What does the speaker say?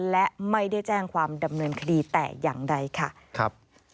และไม่ได้แจ้งความดำเนินคดีแต่อย่างใดค่ะครับ